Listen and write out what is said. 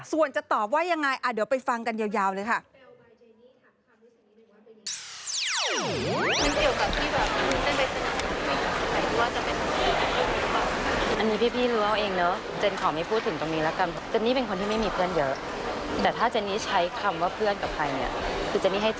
ส่วนจะตอบว่ายังไงเดี๋ยวไปฟังกันยาวเลยค่ะ